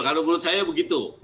kalau menurut saya begitu